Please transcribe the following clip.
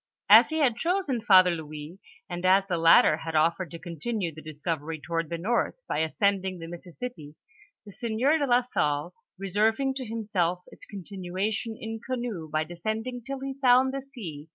As he had chosen Father Louis, and as the latter had of fered to continue the discovery toward the north, by ascend ing the Missisipi, the sieur do la Salle reserving to himself its continuation in canoe by descending till he found the sea.